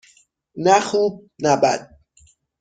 نه خوب - نه بد.